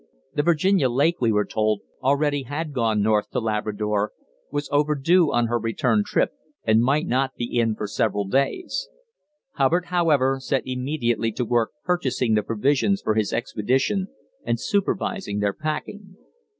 The Virginia Lake, we were told, already had gone north to Labrador, was overdue on her return trip and might not be in for several days. Hubbard, however, set immediately to work purchasing the provisions for his expedition and supervising their packing.